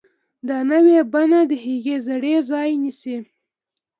دا نوې بڼه د زړې هغې ځای نیسي.